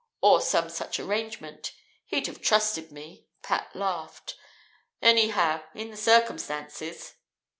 U., or some such arrangement. He'd have trusted me," Pat laughed; "anyhow, in the circumstances!